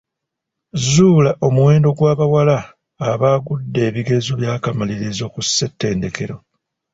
Zuula omuwendo gw'abawala abaagudde ebigezo by'akamalirizo ku ssetendekero.